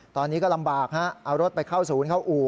ตอนนี้ก็ลำบากฮะเอารถไปเข้าศูนย์เข้าอู่